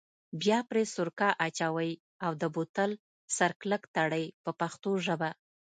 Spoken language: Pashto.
بیا پرې سرکه اچوئ او د بوتل سر کلک تړئ په پښتو ژبه.